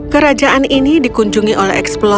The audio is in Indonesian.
kerajaan ini dikunjungi oleh eksploma